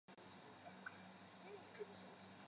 烘箱是实验室中的一种加热设备。